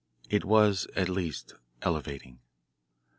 It was at least elevating.